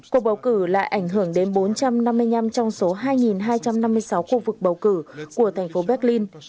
cuộc bầu cử lại ảnh hưởng đến bốn trăm năm mươi năm trong số hai hai trăm năm mươi sáu khu vực bầu cử của thành phố berlin